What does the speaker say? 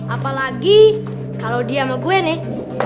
apalagi kalau dia sama gue nih